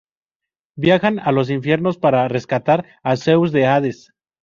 Viajan a los infiernos para rescatar a Zeus de Hades.